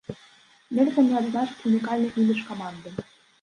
Нельга не адзначыць унікальны імідж каманды.